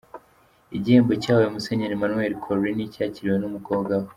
Igihembo cyahawe Musenyeri Emmanuel Kolini cyakiriwe n'umukobwa we.